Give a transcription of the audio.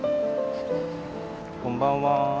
こんばんは。